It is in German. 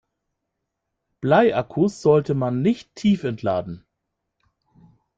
Bleiakkus sollte man nicht tiefentladen.